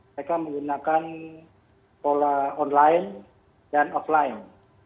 mereka menggunakan pola online dan offline